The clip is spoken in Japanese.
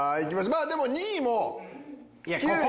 まあでも２位も９２点。